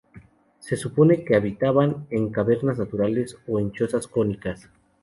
Se supone que habitaban en cavernas naturales o en chozas cónicas.